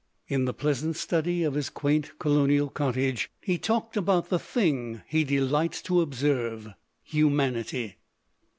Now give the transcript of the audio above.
In the pleasant study of his quaint Colonial cottage he talked about the thing he delights to observe humanity.